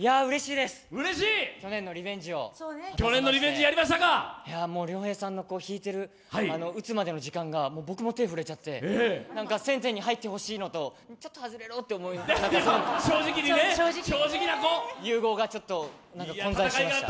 いやー、うれしいです、去年のリベンジができまして、もう亮平さんの引いてる、うつまでの時間が僕も手震えちゃって、１０００点に入ってほしいのと、ちょっと外れろって融合がちょっと、混在してました。